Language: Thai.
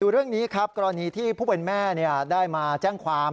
เรื่องนี้ครับกรณีที่ผู้เป็นแม่ได้มาแจ้งความ